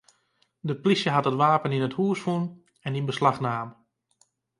De plysje hat it wapen yn it hús fûn en yn beslach naam.